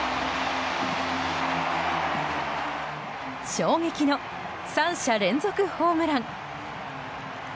衝撃の３者連続ホームラン。